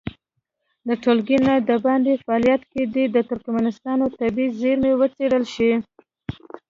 د ټولګي نه د باندې فعالیت کې دې د ترکمنستان طبیعي زېرمې وڅېړل شي.